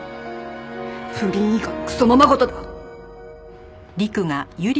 不倫以下のクソままごとだ！